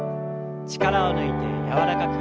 力を抜いて柔らかく。